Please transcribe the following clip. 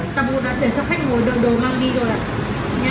tầng một đã để cho khách ngồi đồ đồ mang đi rồi ạ